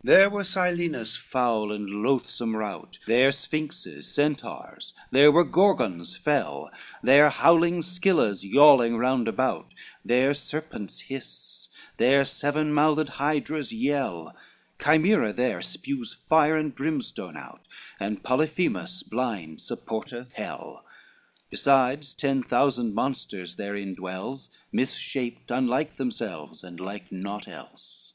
V There were Silenus' foul and loathsome route, There Sphinxes, Centaurs, there were Gorgons fell, There howling Scillas, yawling round about, There serpents hiss, there seven mouthed Hydras yell, Chimera there spues fire and brimstone out, And Polyphemus blind supporteth hell, Besides ten thousand monsters therein dwells Misshaped, unlike themselves, and like naught else.